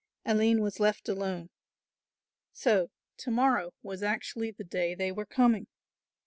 Aline was left alone. So to morrow was actually the day they were coming!